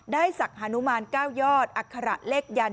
ได้ศักดิ์ฮานุมารเก้ายอดอักขระเล็กยัน